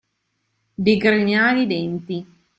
Digrignare i denti.